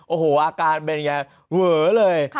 โอ้โฮอาการเป็นอย่างไรเหลือเลย